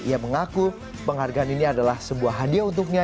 ia mengaku penghargaan ini adalah sebuah hadiah untuknya